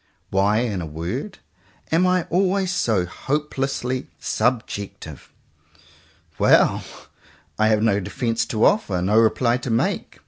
Why, in a word, am I always so hopelessly subjective? Well! I have no defence to offer — no reply to make.